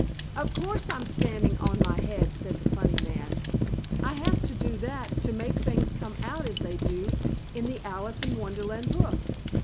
"Of course I'm standing on my head!" said the funny man. "I have to do that to make things come out as they do in the Alice in Wonderland book.